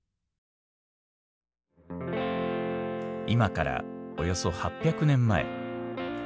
今からおよそ８００年前。